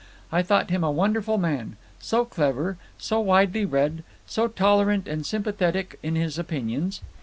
I thought him a wonderful man: so clever, so widely read, so tolerant and sympathetic in his opinions.